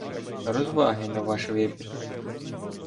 Розваги – на ваш вибір